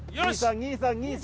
「２」「３」「２」「３」。